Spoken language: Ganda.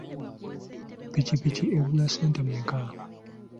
Ppikipiki egula ssente mmeka?